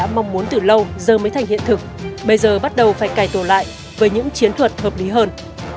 mong muốn từ lâu giờ mới thành hiện thực bây giờ bắt đầu phải cải tổ lại với những chiến thuật hợp lý hơn